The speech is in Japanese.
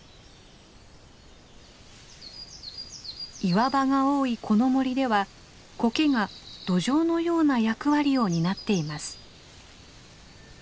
岩場が多いこの森ではコケが土壌のような役割を担っています。